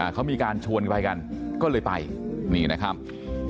เขามีการชวนกันไปกันก็เลยไปนี่นะครับ